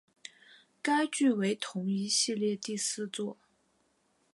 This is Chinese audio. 该剧为同一系列第四作。